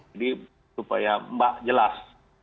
jadi supaya mbak jelas